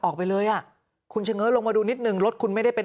ออกไปเลยอ่ะคุณเฉง้อลงมาดูนิดนึงรถคุณไม่ได้เป็น